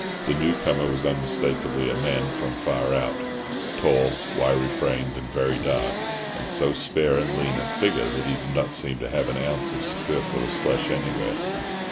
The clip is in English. The newcomer was unmistakably a man from Far Out; tall, wiry framed, and very dark, and so spare and lean of figure that he did not seem to have an ounce of superfluous flesh anywhere.